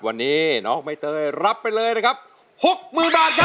วันนี้น้องใบเตยรับไปเลยนะครับ๖๐๐๐บาทครับ